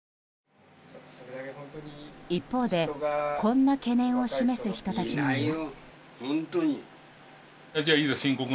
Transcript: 一方で、こんな懸念を示す人たちもいます。